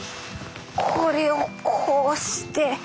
これをこうして。